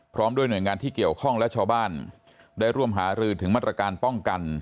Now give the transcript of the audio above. พร้อมด้วยหน่วยงานที่เกี่ยวข้องและชาวบ้านได้ร่วมหารือถึงมาตรการป้องกัน